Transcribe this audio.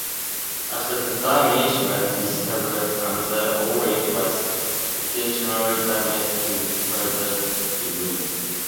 After the damage was discovered, another O-ring was intentionally damaged to a further degree.